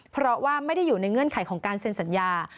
เพราะว่าไม่ได้อยู่ในเงื่อนไขของการเซ็นสัญญา